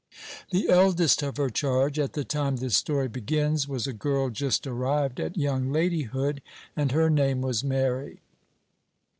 The eldest of her charge, at the time this story begins, was a girl just arrived at young ladyhood, and her name was Mary.